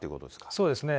そうですね。